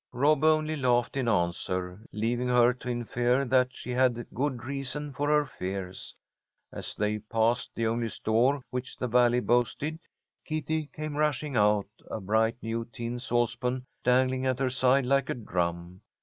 Rob only laughed in answer, leaving her to infer that she had good reason for her fears. As they passed the only store which the Valley boasted, Kitty came rushing out, a bright new tin saucepan dangling at her side like a drum.